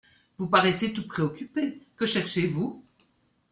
Vous paraissez tout préoccupé : que cherchez-vous ?